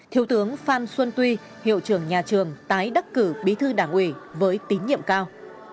thiếu tướng phan xuân tuy hiệu trưởng nhà trường tái đắc cử bí thư đảng ủy với tín nhiệm cao